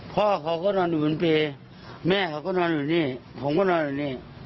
พ่อเขาก็นอนอยู่บนเปรย์แม่เขาก็นอนอยู่นี่ผมก็นอนอยู่นี่